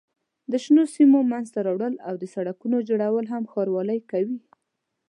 د شنو سیمو منځته راوړل او د سړکونو جوړول هم ښاروالۍ کوي.